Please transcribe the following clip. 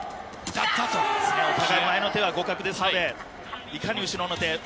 前の手は互角ですのでいかに後ろの手。